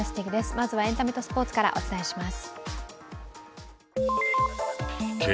まずはエンタメとスポーツからお伝えします。